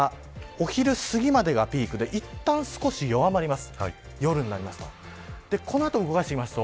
このあたりはお昼すぎまでがピークでいったん弱まります。